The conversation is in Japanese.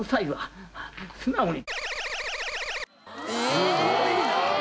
すごいな！